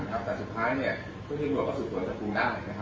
แต่สุดท้ายพวกที่รวบก็สุดส่วนสกุลได้